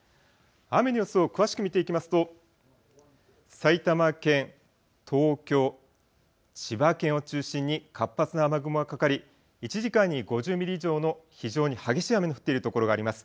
雨の様子を詳しく見ていきますと埼玉県、東京、千葉県を中心に活発な雨雲がかかり１時間に５０ミリ以上の非常に激しい雨の降っている所があります。